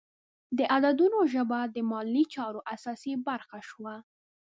د عددونو ژبه د مالي چارو اساسي برخه شوه.